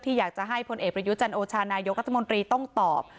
อยากจะให้พลเอกประยุจันโอชานายกรัฐมนตรีต้องตอบ